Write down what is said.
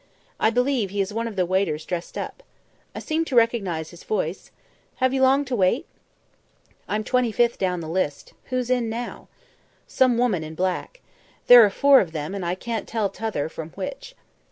I believe he is one of the waiters dressed up. I seem to recognise his voice. Have you long to wait?" "I'm twenty fifth down the list. Who's in now?" "Some woman in black. There are four of them, and I can't tell t'other from which."